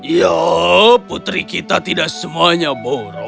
dia hanya meyakinkan ratu ya putri kita tidak semuanya borok sayangku